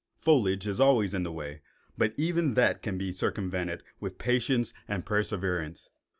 Foliage is always in the way, but even that can be circumvented by patience and perseverance.